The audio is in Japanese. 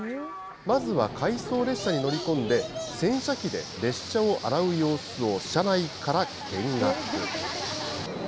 まずは回送列車に乗り込んで、洗車機で列車を洗う様子を車内から見学。